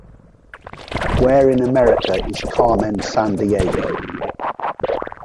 Where in America is Carmen Sandiego?